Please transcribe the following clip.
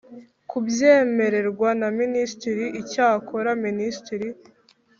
kubyemererwa na Minisitiri Icyakora Minisitiri